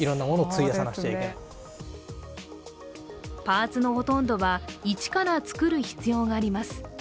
パーツのほとんどは、一から作る必要があります。